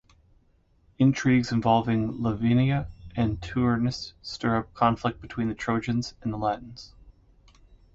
Intrigues involving Lavinia and Turnus stir up conflict between the Trojans and the Latins.